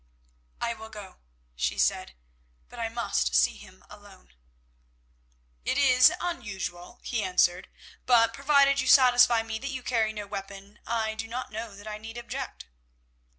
"I will go," she said, "but I must see him alone." "It is unusual," he answered, "but provided you satisfy me that you carry no weapon, I do not know that I need object."